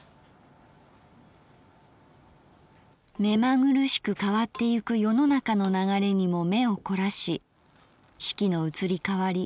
「めまぐるしく変ってゆく世の中の流れにも眼を凝らし四季の移り変り